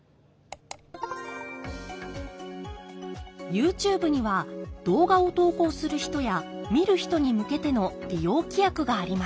ＹｏｕＴｕｂｅには動画を投稿する人や見る人に向けての利用規約があります。